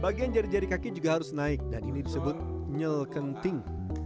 bagian jari jari kaki juga harus naik dan ini disebut nyel kenting